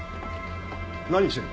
何してる？